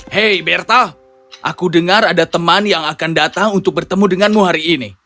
hei bertha aku dengar ada teman yang akan datang untuk bertemu denganmu hari ini